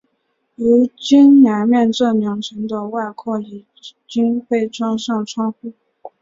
如今南面这两层的外廊已经被装上窗户。